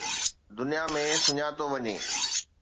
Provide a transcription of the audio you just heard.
دنيا ۾ سڃاتو وڃي